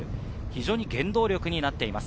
原動力になっています。